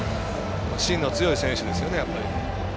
芯の強い選手ですよね。